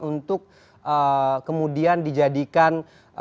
untuk kemudian dijadikan